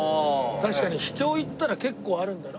確かに秘境行ったら結構あるんだよな。